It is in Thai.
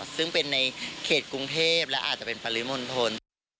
ซึ่งเป็นในเขตกรุงเทพและอาจจะเป็นปริมณฑล